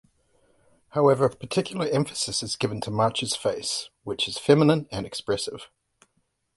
However particular emphasis is given to March's face, which is feminine and expressive.